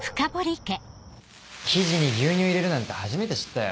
生地に牛乳入れるなんて初めて知ったよ。